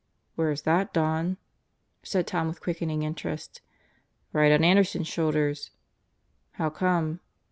"Where's that, Don?" said Tom with quickening interest. "Right on Anderson's shoulders." "How come?"